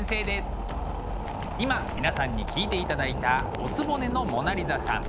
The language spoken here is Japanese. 今皆さんに聴いていただいた「お局のモナ・リザさん」。